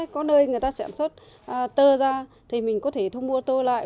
có nơi người ta sản xuất tơ ra thì mình có thể thu mua tơ lại